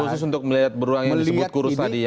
khusus untuk melihat beruang yang disebut kurus tadi ya